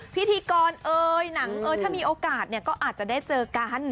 พิธีกรเอ่ยหนังเอ้ยถ้ามีโอกาสเนี่ยก็อาจจะได้เจอกัน